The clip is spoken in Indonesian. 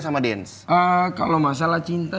sama dance kalau masalah cinta